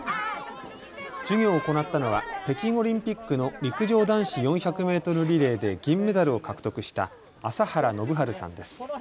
授業を行ったのは北京オリンピックの陸上男子４００メートルリレーで銀メダルを獲得した朝原宣治さんです。